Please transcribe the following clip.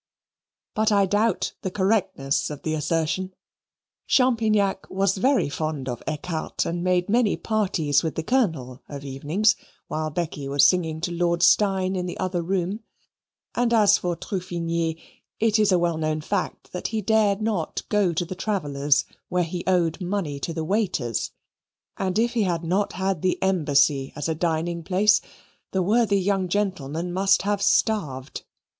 But I doubt the correctness of the assertion. Champignac was very fond of ecarte, and made many parties with the Colonel of evenings, while Becky was singing to Lord Steyne in the other room; and as for Truffigny, it is a well known fact that he dared not go to the Travellers', where he owed money to the waiters, and if he had not had the Embassy as a dining place, the worthy young gentleman must have starved.